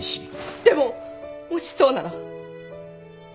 でももしそうなら？